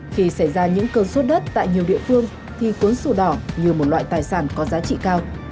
khi xảy ra những cơn sốt đất tại nhiều địa phương thì cuốn sổ đỏ như một loại tài sản có giá trị cao